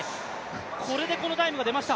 これで、このタイムが出ました！